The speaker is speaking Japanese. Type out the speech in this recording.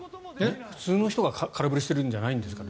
普通の人が空振りしているわけじゃないですから。